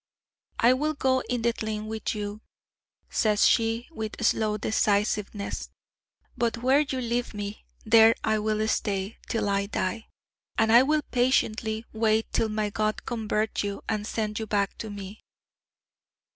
'I will go in the tlain with you,' says she with slow decisiveness: 'but where you leave me, there I will stay, till I die; and I will patiently wait till my God convert you, and send you back to me.'